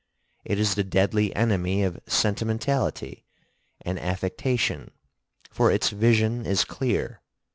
It is the deadly enemy of sentimentality and affectation, for its vision is clear.